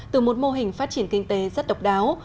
từ một mô hình phát triển kinh tế rất độc đáo